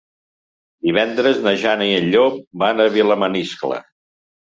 Divendres na Jana i en Llop van a Vilamaniscle.